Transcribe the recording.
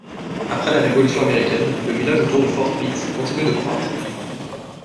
Après la Révolution américaine, le village autour de Fort Pitt continue de croître.